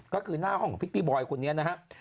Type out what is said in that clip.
ก็คือหน้าห้องของพิตตี้บอยคนนี้นะครับ